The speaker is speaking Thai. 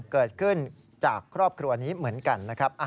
เกิดขึ้นจากครอบครัวนี้เหมือนกันนะครับ